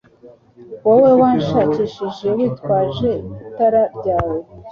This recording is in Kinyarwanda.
Wowe wanshakishije witwaje itara ryawe